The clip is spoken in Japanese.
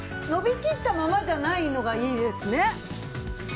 伸びきったままじゃないのがいいですね。